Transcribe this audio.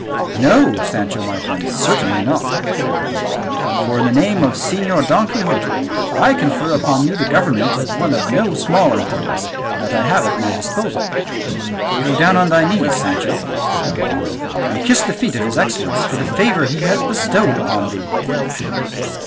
"No, Sancho my friend, certainly not," said the duke, "for in the name of Señor Don Quixote I confer upon you the government of one of no small importance that I have at my disposal." "Go down on thy knees, Sancho," said Don Quixote, "and kiss the feet of his excellence for the favour he has bestowed upon thee."